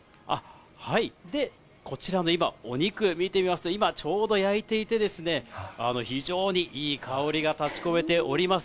こちらの今、お肉見てみますと、今ちょうど焼いていましてですね、非常にいい香りが立ち込めております。